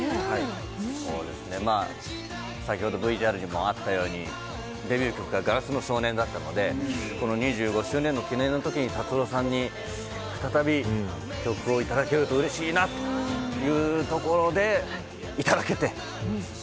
先ほどＶＴＲにもあったようにデビュー曲が「硝子の少年」だったのでこの２５周年の記念の時に達郎さんに再び曲をいただけるとうれしいなというところでいただけて。